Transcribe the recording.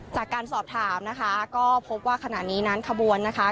จากการสอบถามนะคะก็พบว่าขณะนี้นั้นขบวนนะคะ